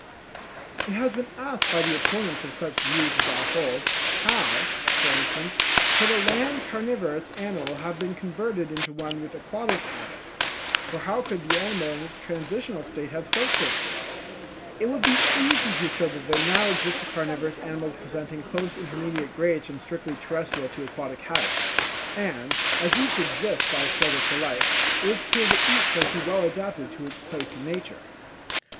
_—It has been asked by the opponents of such views as I hold, how, for instance, could a land carnivorous animal have been converted into one with aquatic habits; for how could the animal in its transitional state have subsisted? It would be easy to show that there now exist carnivorous animals presenting close intermediate grades from strictly terrestrial to aquatic habits; and as each exists by a struggle for life, it is clear that each must be well adapted to its place in nature.